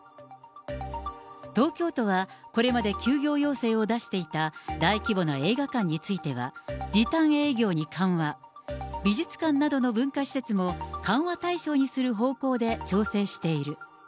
東京都はこれまで休業要請を出していた大規模な映画館については、時短営業に緩和、美術館などの文化施設も、緩和対象にする方向で調整している。